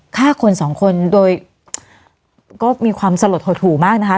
ฆ่าคนสองคนโดยก็มีความสลดหดหูมากนะคะ